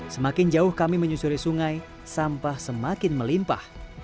semakin jauh kami menyusuri sungai sampah semakin melimpah